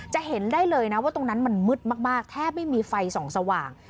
เห็นได้เลยนะว่าตรงนั้นมันมืดมากแทบไม่มีไฟส่องสว่าง